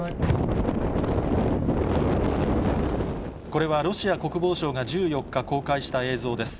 これはロシア国防省が１４日公開した映像です。